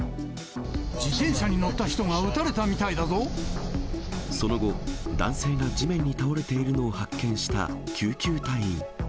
自転車に乗った人が撃たれたその後、男性が地面に倒れているのを発見した救急隊員。